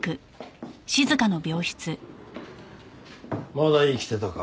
まだ生きてたか。